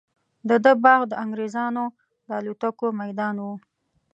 د ده باغ د انګریزانو د الوتکو میدان وو.